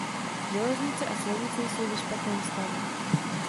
Železnice a silnice jsou ve špatném stavu.